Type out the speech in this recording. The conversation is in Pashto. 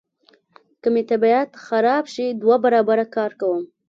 که مې طبیعت خراب شي دوه برابره کار کوم.